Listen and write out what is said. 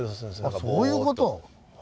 あっそういう事！